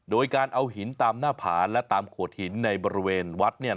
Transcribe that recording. โดยการเอาหินตามหน้าผาและตามโขดหินในบริเวณวัด